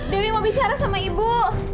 dewi mau bicara sama ibu